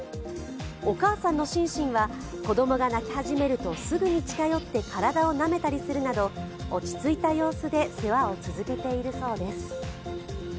お母さんのシンシンは、子供が鳴き始めるとすぐに近寄って体をなめたりするなど落ち着いた様子で世話を続けているそうです。